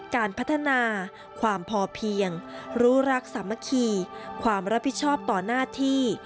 การพัฒนาความพอเพียงรู้รักสามัคคีความรับผิดชอบต่อหน้าที่